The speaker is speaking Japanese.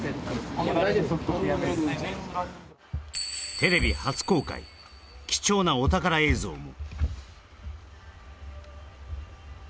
テレビ初公開、貴重なお宝映像も。